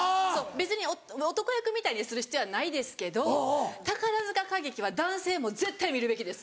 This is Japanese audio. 別に男役みたいにする必要はないですけど宝塚歌劇は男性も絶対見るべきです。